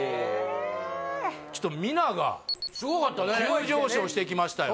ちょっとミナがすごかったね急上昇してきましたよ